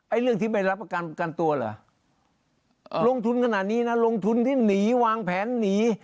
เรื่องที่ไม่รับประกันตัวเหรอลงทุนขนาดนี้นะลงทุนที่หนีวางแผนหนี